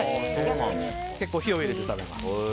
結構火を入れて食べます。